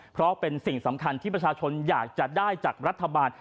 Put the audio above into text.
เพราะเป็นสิ่งสำคัญที่ประชาชนอยากจะได้จากรัฐบาล